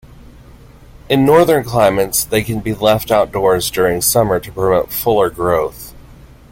In northern climates they can be left outdoors during summer to promote fuller growth.